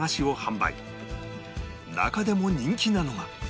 中でも人気なのが